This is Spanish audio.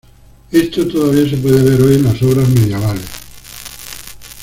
Esto todavía se puede ver hoy en las obras medievales.